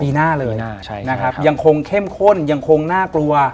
ปีหน้าเลยนะครับยังคงเข้มข้นยังคงน่ากลัว